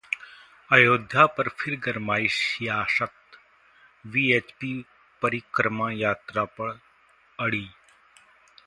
अयोध्या पर फिर गरमाई सियासत, वीएचपी परिक्रमा यात्रा पर अड़ी